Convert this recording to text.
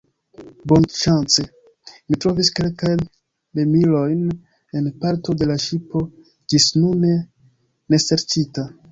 Bonŝance, mi trovis kelkajn remilojn en parto de la ŝipo ĝisnune neserĉita.